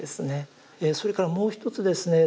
それからもう一つですね